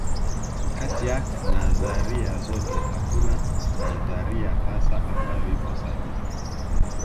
Kati ya nadharia zote hakuna nadharia hasa ambayo ipo sahihi